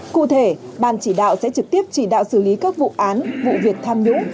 cụ thể ban chỉ đạo sẽ trực tiếp chỉ đạo xử lý các vụ án vụ việc tham nhũng